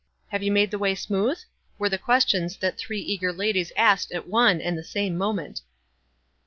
— "Have you made the way smooth?" were the questions that three eager ladies asked at one and the same moment.